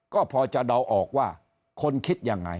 ก็พอจะเดาออกว่าคนคิดยังไง